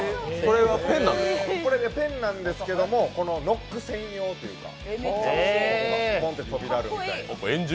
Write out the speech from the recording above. これ、ペンなんですけれども、ノック専用というか、ポンと飛び出るみたいな。